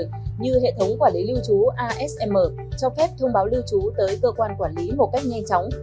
như hệ thống quản lý lưu trú asm cho phép thông báo lưu trú tới cơ quan quản lý một cách nhanh chóng